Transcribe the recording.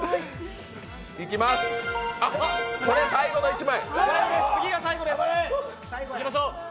これ最後の一枚。